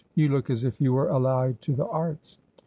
You look as if you were allied to the arts.'